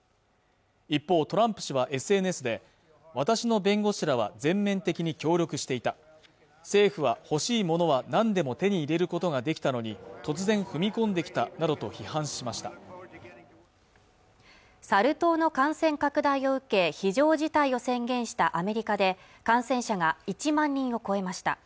一方トランプ氏はＳＮＳで私の弁護士らは全面的に協力していた政府は欲しいものは何でも手に入れることができたのに突然踏み込んできたなどと批判しましたサル痘の感染拡大を受け非常事態を宣言したアメリカで感染者が１万人を超えました